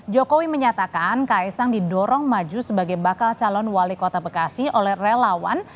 jokowi menyatakan kaisang didorong maju sebagai bakal calon wali kota bekasi oleh relawan